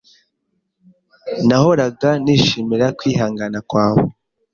Nahoraga nishimira kwihangana kwawe.